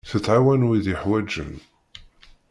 Tettɛawan wid yeḥwaǧen.